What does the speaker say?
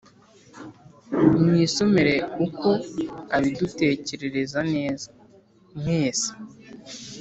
mwisomere uko abidutekererezaneza mwese